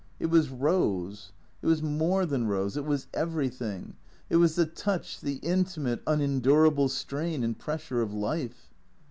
It was Rose, It was more than Rose; it was everything; it was the touch, the intimate, unendurable strain and pressure of life.